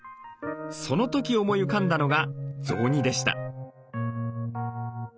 その時思い浮かんだのが雑煮でした。